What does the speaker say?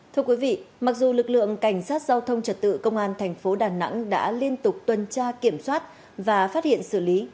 thưa quý vị mặc dù lực lượng cảnh sát giao thông trật tự công an thành phố đà nẵng đã liên tục tuần tra kiểm soát và phát hiện xử lý